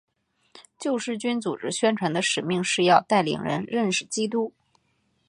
救世军组织宣传的使命是要带领人认识基督。